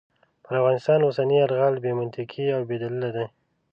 پر افغانستان اوسنی یرغل بې منطقې او بې دلیله دی.